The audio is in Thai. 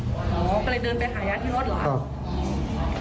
อ๋อก็เลยเดินไปหายาขี่รถเหรอครับครับ